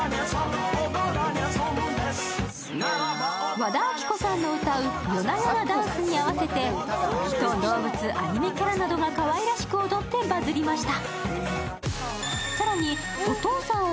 和田アキ子さんの歌う「ＹＯＮＡＹＯＮＡＤＡＮＣＥ」に合わせて、人、動物、アニメキャラなどがかわいらしく踊ってバズりました。